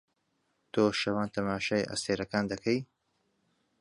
تۆ شەوان تەماشای ئەستێرەکان دەکەی؟